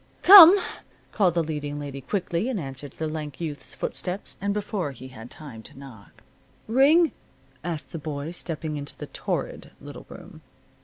"Come!" called the leading lady quickly, in answer to the lank youth's footsteps, and before he had had time to knock. "Ring?" asked the boy, stepping into the torrid little room.